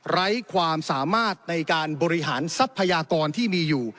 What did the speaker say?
ไร้ความสามารถในการบริหารทรัพยากรที่มีอยู่